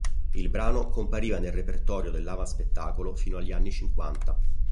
Il brano compariva nel repertorio dell'avanspettacolo fino agli anni cinquanta.